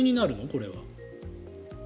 これは。